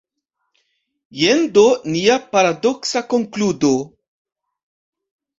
Jen do nia paradoksa konkludo.